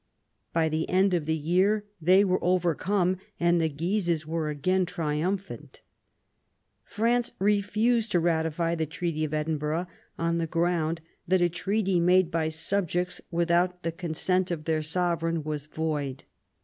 By the end of the year they were overcome, and the Guises were again triumphant. France refused to ratify the Treaty of Edinburgh on the ground that *'a treaty made by subjects without the consent of their Sovereign was void